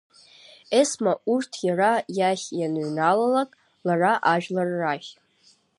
Есма урҭ иара иахь ианҩналалак, лара ажәлар рахь.